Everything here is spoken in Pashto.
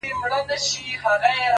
ماسومان زموږ وېريږي ورځ تېرېږي ـ